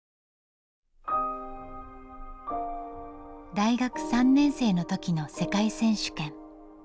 大学３年生の時の世界選手権。